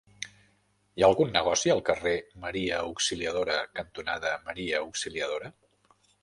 Hi ha algun negoci al carrer Maria Auxiliadora cantonada Maria Auxiliadora?